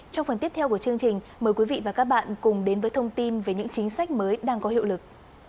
trong phần tiếp theo của chương trình mời quý vị và các bạn cùng đến với thông tin về những chính sách mới đang có hiệu lực